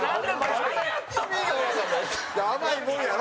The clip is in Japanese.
蛍原：甘いもんやろ？